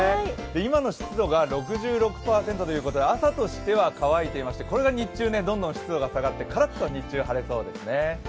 今の湿度が６６％ということで朝としては乾いていまして、これが日中どんどん湿度が下がってカラッと日中、晴れそうですね。